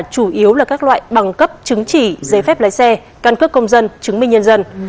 chủ yếu là các loại bằng cấp chứng chỉ giấy phép lái xe căn cước công dân chứng minh nhân dân